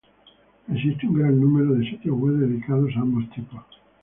Existen un gran número de sitios web dedicados a ambos tipos.